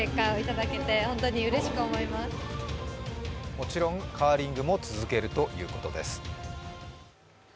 もちろんカーリングも続けるということです。